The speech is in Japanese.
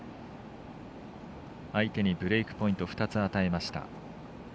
相手にブレークポイント２つ与えました。